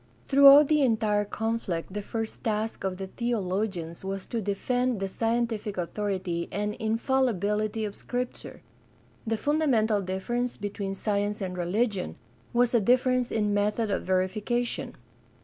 Throughout the entire conflict the first task of the theologians was to defend the scientific authority and infallibility of Scripture. The fundamental difference between science and religion was a difference in method of verification.